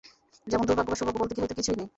যেমন, দূর্ভাগ্য বা সৌভাগ্য বলতে হয়তো কিছুই নেই।